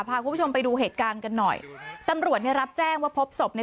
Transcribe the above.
พาคุณผู้ชมไปดูเหตุการณ์กันหน่อยตำรวจเนี่ยรับแจ้งว่าพบศพใน